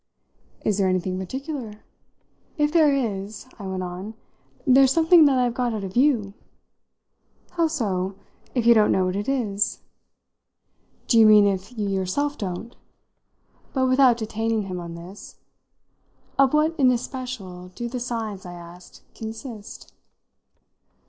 "Is there anything particular? If there is," I went on, "there's something that I've got out of you!" "How so, if you don't know what it is?" "Do you mean if you yourself don't?" But without detaining him on this, "Of what in especial do the signs," I asked, "consist?"